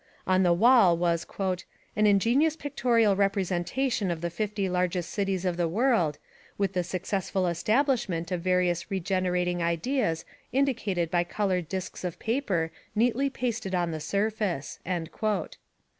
On the wall KATE DOUGLAS WIGGIN 127 was "an ingenious pictorial representation of the fifty largest cities of the world, with the successful estab lishment of various regenerating ideas indicated by colored disks of paper neatly pasted on the surface."